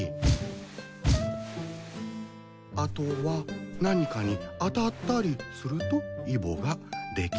あとは何かに当たったりするとイボができ。